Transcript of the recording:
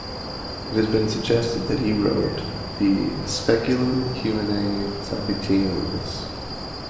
It has been suggested that he wrote the "Speculum Humanae Salvationis".